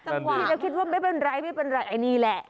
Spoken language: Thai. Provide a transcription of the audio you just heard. ตรงนี้มันคิดว่าไม่เป็นไรอันนี้แหละ